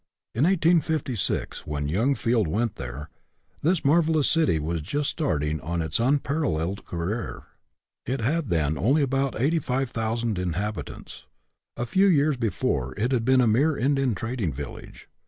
In 1856, when young Field went there, this mar velous city was just starting on its unpar alleled career. It had then only about eighty five thousand inhabitants. A few years before it had been a mere Indian trading village.